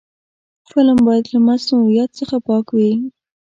فلم باید له مصنوعیت څخه پاک وي